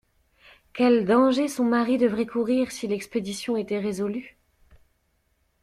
Quels dangers son mari devrait courir, si l'expédition était résolue!